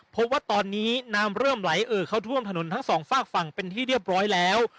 พบว่าตอนนี้น้ำเริ่มไหลเอ่อเข้าท่วมถนนทั้งสองฝากฝั่งเป็นที่เรียบร้อยแล้ว